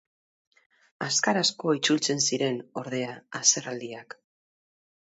Azkar asko itzultzen ziren, ordea, haserrealdiak.